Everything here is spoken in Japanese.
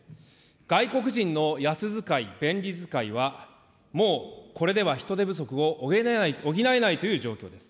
外国人の安づかい・便利づかいは、もうこれでは人手不足を補えないという状況です。